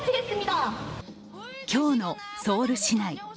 今日のソウル市内。